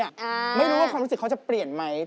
ไม่รู้ว่าความรู้สึกเขาจะเปลี่ยนไหม